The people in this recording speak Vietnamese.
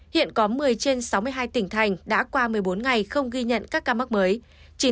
hiện có một mươi trên sáu mươi hai tỉnh thành đã qua một mươi bốn ngày không ghi nhận các ca mắc mới